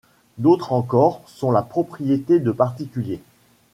D'autres encore sont la propriété de particuliers.